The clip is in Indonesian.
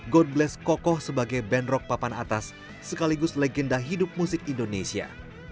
god bless kokoh sebagai band rock papan atas sekaligus legenda hidup musik indonesia